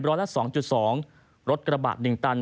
รถกระบาด๑ตัน